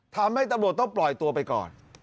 ทำให้ตำรวจต้องปล่อยตัวไปก่อน